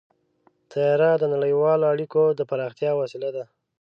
طیاره د نړیوالو اړیکو د پراختیا وسیله ده.